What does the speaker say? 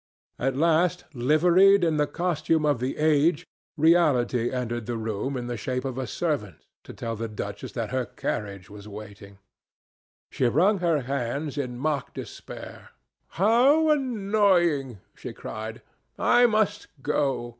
At last, liveried in the costume of the age, reality entered the room in the shape of a servant to tell the duchess that her carriage was waiting. She wrung her hands in mock despair. "How annoying!" she cried. "I must go.